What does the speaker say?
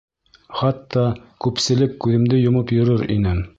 Хатта күпселек күҙемде йомоп йөрөр инем.